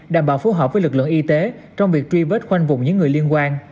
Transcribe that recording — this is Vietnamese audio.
đảm bảo phù hợp với lực lượng y tế trong việc truy vết khoanh vùng những người liên quan